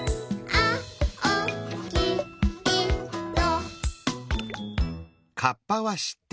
「あおきいろ」